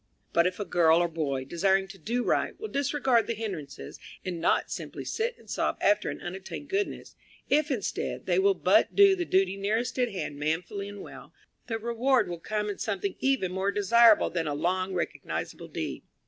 But if a girl or boy, desiring to do right, will disregard the hindrances, and not simply sit and sob after an unattained goodness if, instead, they will but do the duty nearest at hand manfully and well, the reward will come in something even more desirable than a "long recognizable deed."